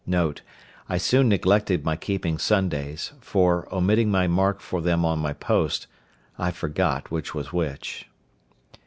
Note.—I soon neglected my keeping Sundays; for, omitting my mark for them on my post, I forgot which was which.